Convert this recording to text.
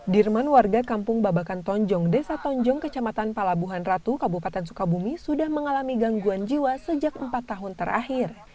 dirman warga kampung babakan tonjong desa tonjong kecamatan palabuhan ratu kabupaten sukabumi sudah mengalami gangguan jiwa sejak empat tahun terakhir